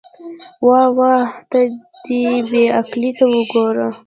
واه واه، ته دې بې عقلۍ ته وګوره.